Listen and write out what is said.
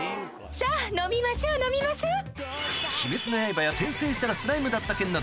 さぁ飲みましょう飲みましょう。